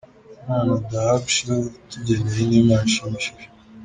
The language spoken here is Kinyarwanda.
Impano Dahabshill itugeneye ni impano ishimishije.